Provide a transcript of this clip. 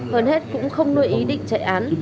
hơn hết cũng không nuôi ý định chạy án